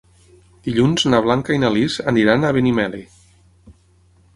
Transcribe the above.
Dilluns na Blanca i na Lis aniran a Benimeli.